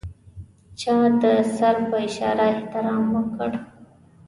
چا د سر په اشاره احترام وکړ.